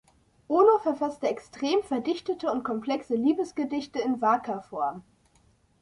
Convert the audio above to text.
Ono verfasste extrem verdichtete und komplexe Liebesgedichte in Waka-Form.